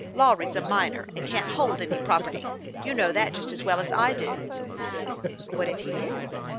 Lawry's a minor, and can't hold any prop erty ; you know that just as well as I do." " What if he is